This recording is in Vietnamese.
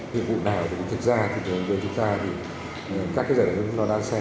hiệu vụ nào cũng thực ra thì đối với chúng ta thì các giải đấu nó đang xem rất là nhiều và nó trùng định rất là nhiều